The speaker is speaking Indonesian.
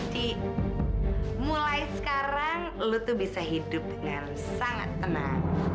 dimulai sekarang lu tuh bisa hidup dengan sangat tenang